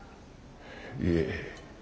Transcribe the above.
いえ。